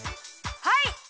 はい！